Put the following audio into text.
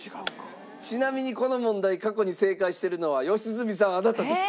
ちなみにこの問題過去に正解してるのは良純さんあなたです。